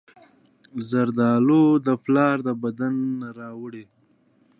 زردالو د پلار د بڼ نه راوړي.